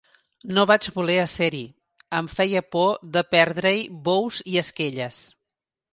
No vaig voler ésser-hi: em feia por de perdre-hi bous i esquelles.